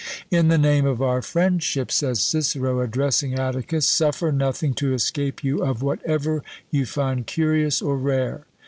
"In the name of our friendship," says Cicero, addressing Atticus, "suffer nothing to escape you of whatever you find curious or rare."